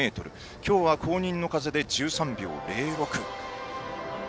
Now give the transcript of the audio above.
きょうは公認の風で１３秒０６です。